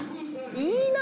いいな。